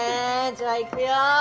じゃあいくよ。